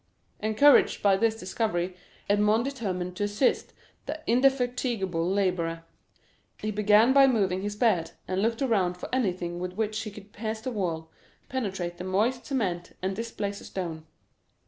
Encouraged by this discovery, Edmond determined to assist the indefatigable laborer. He began by moving his bed, and looked around for anything with which he could pierce the wall, penetrate the moist cement, and displace a stone.